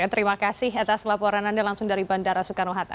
terima kasih atas laporan anda langsung dari bandara soekarno hatta